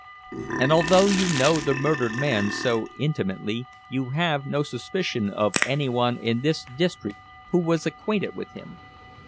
"And although you know the murdered man so intimately, you have no suspicion of anyone in this district who was acquainted with him?"